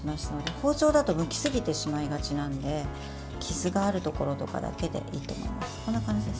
包丁だとむきすぎてしまいがちなので傷があるところだけでいいと思います。